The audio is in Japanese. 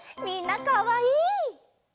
みんなかわいい！